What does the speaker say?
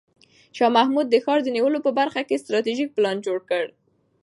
شاه محمود د ښار د نیولو په برخه کې ستراتیژیک پلان جوړ کړ.